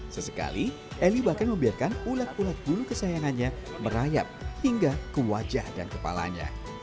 sesekali eli bahkan membiarkan ulat ulat bulu kesayangannya merayap hingga ke wajah dan kepalanya